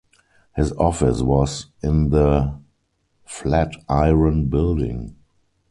His office was in the Flatiron Building.